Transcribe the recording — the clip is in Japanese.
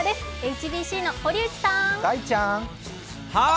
ＨＢＣの堀内さん！